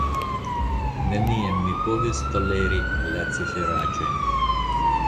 Neniam mi povis toleri la ciferaĉojn.